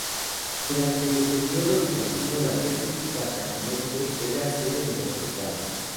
Durante el periodo bizantino, la diócesis cartaginense era sede metropolitana.